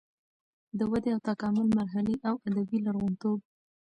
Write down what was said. د ودې او تکامل مرحلې او ادبي لرغونتوب